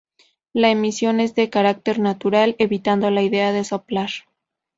La emisión es de carácter "natural", evitando la idea de "soplar".